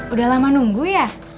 udah lama nunggu ya